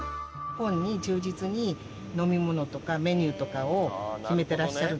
本に忠実に飲み物とかメニューとかを決めてらっしゃる。